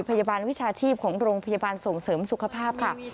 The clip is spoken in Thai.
พยาบาลวิชาชีพของโรงพยาบาลส่งเสริมสุขภาพค่ะ